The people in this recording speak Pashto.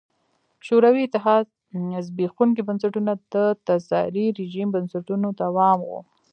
شوروي اتحاد زبېښونکي بنسټونه د تزاري رژیم بنسټونو دوام و.